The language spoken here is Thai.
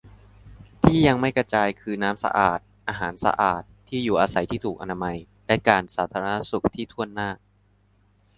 ที่ยังไม่กระจายคือน้ำสะอาด อาหารสะอาด ที่อยู่อาศัยที่ถูกอนามัย และการสาธารณสุขที่ถ้วนหน้า